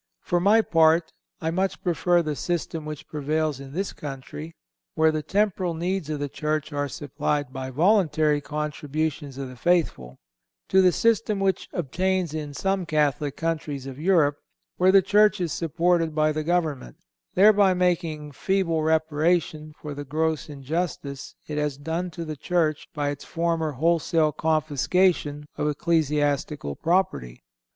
For my part, I much prefer the system which prevails in this country, where the temporal needs of the Church are supplied by voluntary contributions of the faithful, to the system which obtains in some Catholic countries of Europe, where the Church is supported by the government, thereby making feeble reparation for the gross injustice it has done to the Church by its former wholesale confiscation of ecclesiastical property.